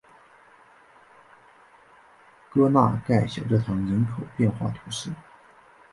戈纳盖小教堂人口变化图示